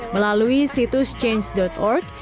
melalui situs change org